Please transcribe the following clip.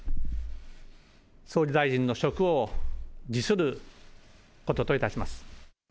総理大臣の職を辞することといたします。